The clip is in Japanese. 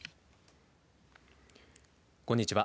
こんにちは。